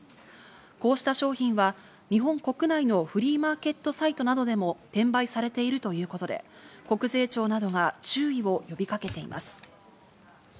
こうした商品は日本国内のフリーマーケットサイトなどでも転売されているということで国税庁などが注意を呼びかけています。